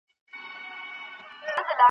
له فرهنګه د خوشحال وي چي هم توره وي هم ډال وي .